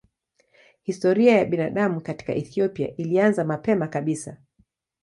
Historia ya binadamu katika Ethiopia ilianza mapema kabisa.